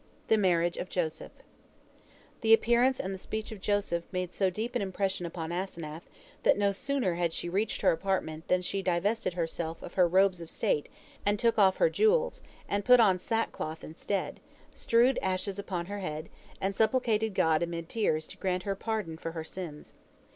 THE MARRIAGE OF JOSEPH The appearance and the speech of Joseph made so deep an impression upon Asenath that no sooner had she reached her apartment than she divested herself of her robes of state and took off her jewels, and put on sackcloth instead, strewed ashes upon her head, and supplicated God amid tears to grant her pardon for her sins.